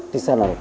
di sana rupanya